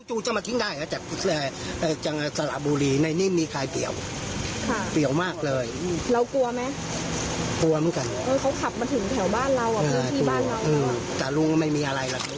อื้อจ๋าลูงไม่มีอะไรอ่ะ